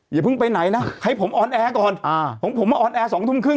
อย่าเพิ่งไปไหนนะให้ผมออนแอร์ก่อนของผมมาออนแอร์๒ทุ่มครึ่ง